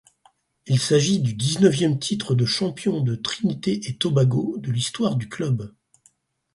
Il s’agit du dix-neuvième titre de champion de Trinité-et-Tobago de l’histoire du club.